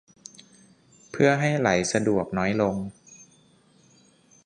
เพื่อให้ไหลสะดวกน้อยลง